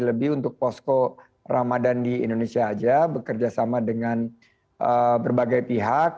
lebih untuk posko ramadhan di indonesia saja bekerjasama dengan berbagai pihak